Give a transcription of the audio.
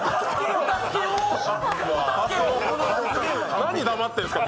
何黙ってるんですか！